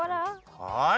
はい。